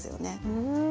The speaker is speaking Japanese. うん。